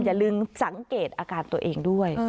อย่าลืมสังเกตอาการตัวเองด้วย